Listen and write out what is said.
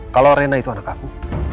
kalau rena itu anak aku